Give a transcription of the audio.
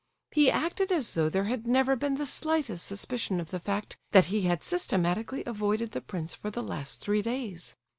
He acted as though there had never been the slightest suspicion of the fact that he had systematically avoided the prince for the last three days.